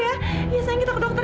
ya sayang kita ke dokter